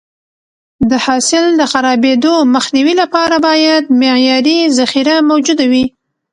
د حاصل د خرابېدو مخنیوي لپاره باید معیاري ذخیره موجوده وي.